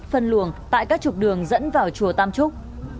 phân luồng tại các trục đường dẫn vào chùa tam trúc